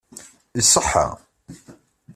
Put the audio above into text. Iṣeḥḥa.